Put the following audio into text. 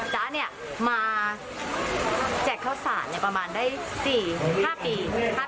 จ๊ะเนี่ยมาแจกข้าวสารประมาณได้๔๕ปี